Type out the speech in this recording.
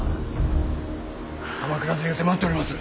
鎌倉勢が迫っております。